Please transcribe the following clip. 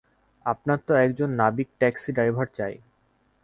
আপনার তো একজন নাবিক ট্যাক্সি ড্রাইভার চাই।